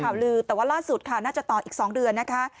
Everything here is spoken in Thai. ข่าวลือแต่ว่าล่าสุดค่ะน่าจะต่ออีก๒เดือนนะคะ